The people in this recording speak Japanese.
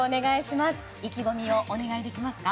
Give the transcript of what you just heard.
意気込みをお願いできますか？